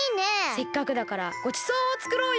せっかくだからごちそうをつくろうよ！